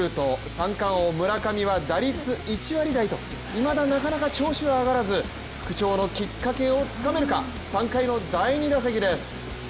三冠王・村上は打率１割台といまだなかなか調子は上がらず復調のきっかけをつかめるか、３回の第２打席です。